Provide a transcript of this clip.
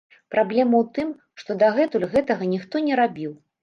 Праблема ў тым, што дагэтуль гэтага ніхто не рабіў.